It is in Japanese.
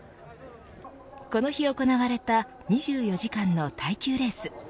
この日行われた２４時間の耐久レース。